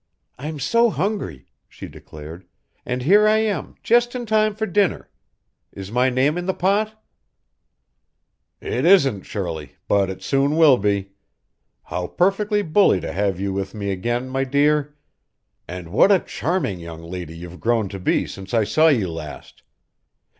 "I'm so hungry," she declared, "and here I am, just in time for dinner. Is my name in the pot?" "It isn't, Shirley, but it soon will be. How perfectly bully to have you with me again, my dear! And what a charming young lady you've grown to be since I saw you last!